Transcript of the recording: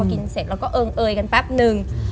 เสร็จแล้วก็เอิงเอยกันแป๊บนึง